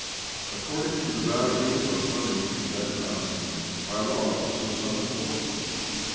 According to the value of money at that time, my loss was of some importance.